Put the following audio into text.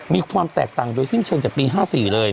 มีความแตกต่างโดยสิ้นเชิงจากปี๕๔เลย